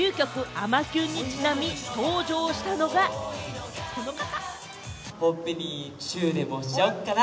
『あまキュン』にちなみ登場したのが、この方。